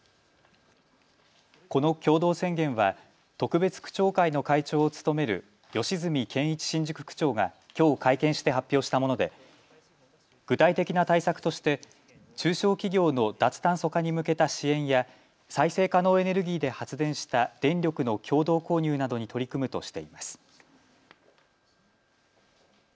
この共同宣言は特別区長会の会長を務める吉住健一新宿区長がきょう会見して発表したもので、具体的な対策として中小企業の脱炭素化に向けた支援や再生可能エネルギーで発電した電力の共同購入などに取り組むとしています。